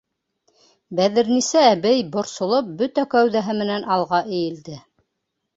Бәҙерниса әбей, борсолоп, бөтә кәүҙәһе менән алға эйелде.